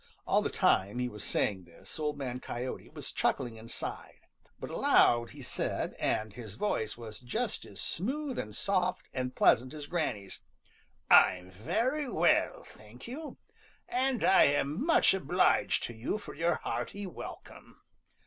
All the time he was saying this, Old Man Coyote was chuckling inside. But aloud he said, and his voice was just as smooth and soft and pleasant as Granny's: "I'm very well, thank you, and I am much obliged to you for your hearty welcome.